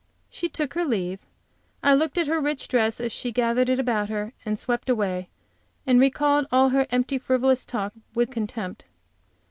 She took her leave.. I looked at her rich dress as she gathered it about her and swept away, and recalled all her empty, frivolous talk with contempt.